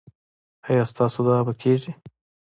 ایا ستاسو دعا به کیږي؟